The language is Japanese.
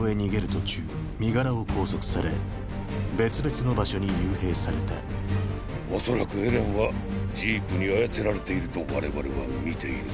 途中身柄を拘束され別々の場所に幽閉された恐らくエレンはジークに操られていると我々は見ている。